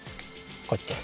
こうやって。